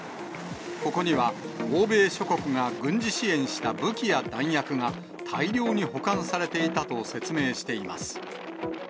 ここには、欧米諸国が軍事支援した武器や弾薬が大量に保管されていたと説明しています。